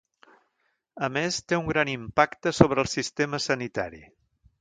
A més, té un gran impacte sobre el sistema sanitari.